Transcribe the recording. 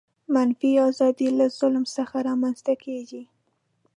منفي آزادي له ظلم څخه رامنځته کیږي.